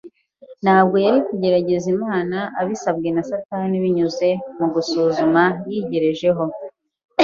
Ntabwo yari kugerageza Imana abisabwe na Satani binyuze mu gusuzuma yigerejeho